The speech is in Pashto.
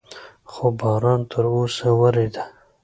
خو باران تر اوسه ورېده.